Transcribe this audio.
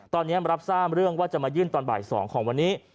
ตอนนี้รับทราบเรื่องว่าจะมายื่นตอนบ่าย๒ของวันนี้